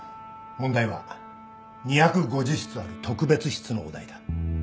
問題は２５０室ある特別室のお題だ。